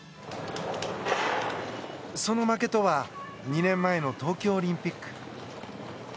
その負けとは２年前の東京オリンピック。